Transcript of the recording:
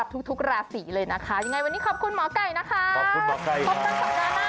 ขอบคุณหมอไก่นะคะขอบคุณหมอไก่ค่ะครบครับสังเกตุลาด้านหน้าค่ะ